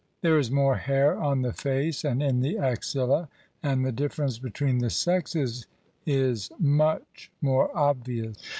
There is more hair on the face and in the axilla, and the difference between the sexes is much more obvious.